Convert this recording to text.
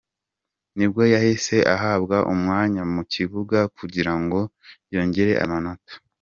Nibwo yahise ahabwa umwanya mu kibuga kugira ngo yongere amanota.